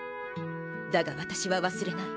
だが私は忘れない。